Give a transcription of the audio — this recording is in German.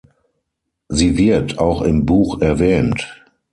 Sie wird auch im Buch erwähnt.